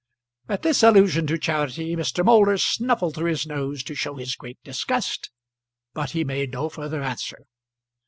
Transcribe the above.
At this allusion to charity Mr. Moulder snuffled through his nose to show his great disgust, but he made no further answer.